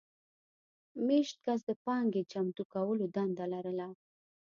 مېشت کس د پانګې چمتو کولو دنده لرله.